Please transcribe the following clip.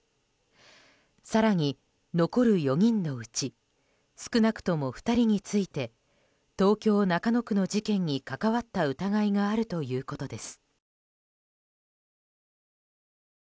更に、残る４人のうち少なくとも２人について東京・中野区の事件に関わった疑いがあるということです。